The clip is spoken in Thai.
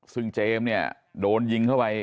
ซึ่งเจมส์เนี่ยโดนยิงเข้าไป